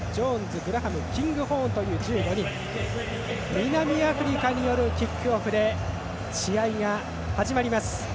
南アフリカによるキックオフで試合が始まります。